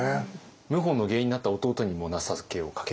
謀反の原因になった弟にも情けをかけるんですよね。